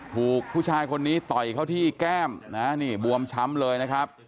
ถูกผู้ชายคนนี้ต่อยเขาที่แก้มนะนี่บวมช้ำเลยนะครับ